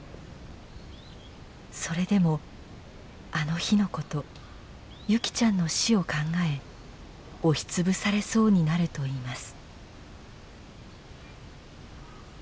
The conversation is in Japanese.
それでもあの日のこと優希ちゃんの死を考え押し潰されそうになるといいます。